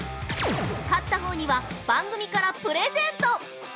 勝ったほうには、番組からプレゼント。